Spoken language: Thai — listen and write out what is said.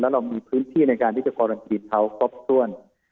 และเรามีพื้นที่ในการที่จะการันติดเขาครอบส่วน